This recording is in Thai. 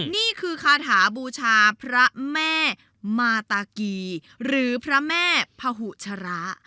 นี่คือคาถาบูชาพระแม่มาตากีหรือพระแม่พหุชระ